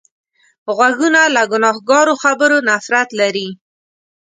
غوږونه له ګناهکارو خبرو نفرت لري